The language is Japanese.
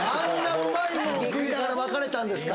うまいもんを食いながら別れたんですか？